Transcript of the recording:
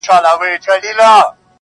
ژوند سرینده نه ده، چي بیا یې وږغوم.